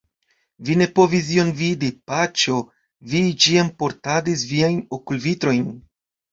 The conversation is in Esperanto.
Vi ne povis ion vidi, paĉjo, vi ĉiam portadis viajn okulvitrojn.